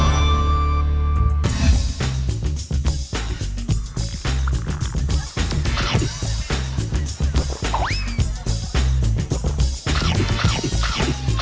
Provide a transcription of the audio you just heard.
สวัสดีครับสวัสดีครับ